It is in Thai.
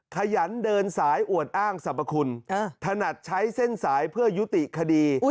ขยันเดินสายอวดอ้างสรรพคุณถนัดใช้เส้นสายเพื่อยุติคดี